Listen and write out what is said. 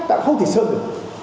tại không thể sơn được